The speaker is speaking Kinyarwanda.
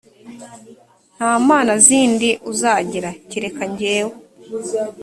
nta mana zindi uzagira kereka jyewe.